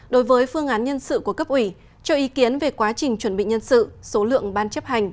đối với phương án nhân sự của cấp ủy cho ý kiến về quá trình chuẩn bị nhân sự số lượng ban chấp hành